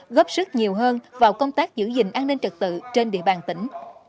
góp sức nhiều hơn vào công tác giữ gìn an ninh trật tự trên địa bàn tỉnh